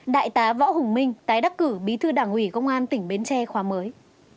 đại tá võ hùng minh tái đắc cử bí thư đảng ủy công an tỉnh bến tre khóa mới